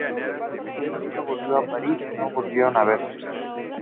Su marido volvió a París y no volvieron verse.